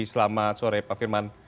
selamat sore pak firman